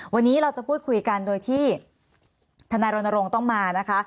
วันนี้เราจะพูดคุยกันโดยที่ธนายรณรงค์ต้องมานะคะ